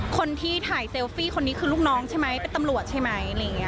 คนที่ถ่ายเซลฟี่คนนี้คือลูกน้องใช่ไหมเป็นตำรวจใช่ไหม